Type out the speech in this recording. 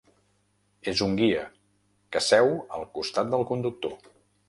És un guia, que seu al costat del conductor.